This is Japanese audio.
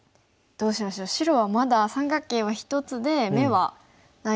どうしましょう白はまだ三角形は１つで眼はないですよね。